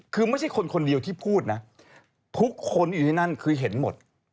คือไม่ใช่คนคนเดียวที่พูดนะทุกคนอยู่ที่นั่นคือเห็นหมด